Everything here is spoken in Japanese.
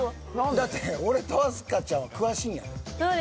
だって俺と明日香ちゃんは詳しいんやで。